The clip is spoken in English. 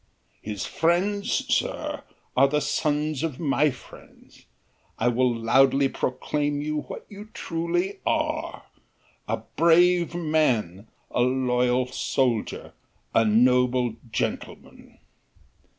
"His friends, sir, are the sons of my friends. I will loudly proclaim you what you truly are: a brave man, a loyal soldier, a noble gentleman!